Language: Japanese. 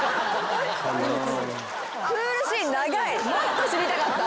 もっと知りたかった。